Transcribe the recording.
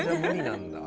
なんだ？